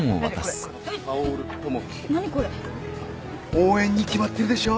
応援に決まってるでしょ。